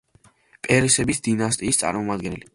პერესების დინასტიის წარმომადგენელი.